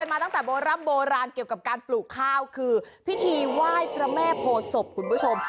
มาตั้งแต่โบร่ำโบราณเกี่ยวกับการปลูกข้าวคือพิธีไหว้พระแม่โพศพคุณผู้ชม